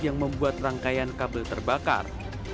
yang membuat rangkaian kabel terbakar